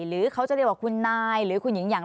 แล้วแกจำได้ยังไง